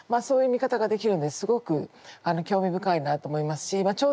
そういう見方ができるんですごく興味深いなあと思いますしま